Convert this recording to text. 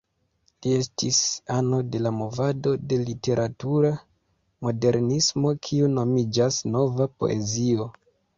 Li estis ano de la movado de literatura modernismo kiu nomiĝas "Nova Poezio".